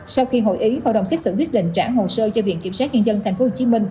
sau khi hội ý hội đồng xét xử quyết định trả hồ sơ cho viện kiểm sát nhân dân tp hcm